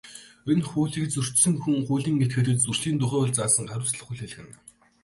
Энэ хуулийг зөрчсөн хүн, хуулийн этгээдэд Зөрчлийн тухай хуульд заасан хариуцлага хүлээлгэнэ.